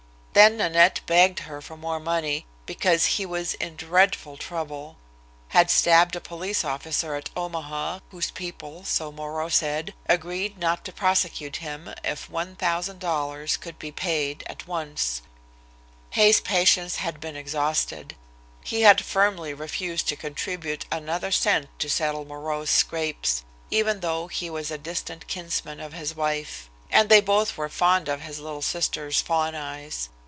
Then Nanette begged her for more money, because he was in dreadful trouble; had stabbed a police officer at Omaha, whose people, so Moreau said, agreed not to prosecute him if one thousand dollars could be paid at once. Hay's patience had been exhausted. He had firmly refused to contribute another cent to settle Moreau's scrapes, even though he was a distant kinsman of his wife, and they both were fond of his little sister Fawn Eyes.